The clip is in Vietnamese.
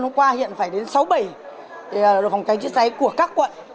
hôm qua hiện phải đến sáu bảy đội phòng cháy chữa cháy của các quận